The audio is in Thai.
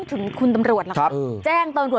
เบิร์ตลมเสียโอ้โห